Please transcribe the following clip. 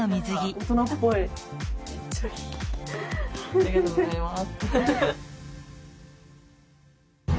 ありがとうございます。